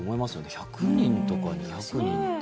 １００人とか２００人って。